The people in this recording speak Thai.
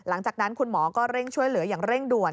หลังจากนั้นคุณหมอก็เร่งช่วยเหลืออย่างเร่งด่วน